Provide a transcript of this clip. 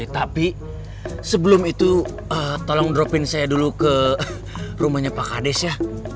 tapi sebelum itu tolong dropin saya dulu ke rumahnya pak kades ya